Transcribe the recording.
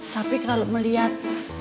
tapi kalau melihat